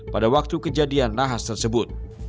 pada waktu kejadian nahas tersebut